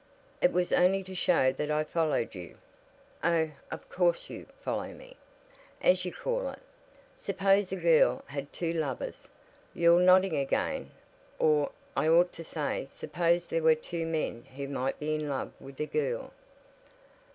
"It was only to show that I followed you." "Oh, of course you 'follow me,' as you call it. Suppose a girl had two lovers you're nodding again or, I ought to say, suppose there were two men who might be in love with a girl."